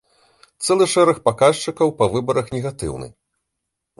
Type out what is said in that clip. Цэлы шэраг паказчыкаў па выбарах негатыўны.